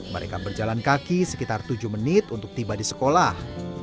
mereka berjalan kaki sekitar tujuh menit untuk tiba di sekolah